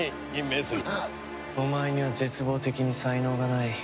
お前には絶望的に才能がない。